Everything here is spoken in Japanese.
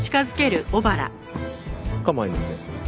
構いません。